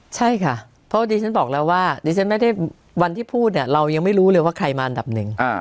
ใช่ค่ะเพราะวันนี้ฉันบอกแล้วว่าวันที่พูดเนี่ยเรายังไม่รู้เลยว่าใครมาอันดับหนึ่ง